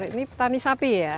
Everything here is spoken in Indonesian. ini petani sapi ya